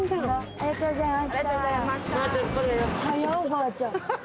ありがとうございます。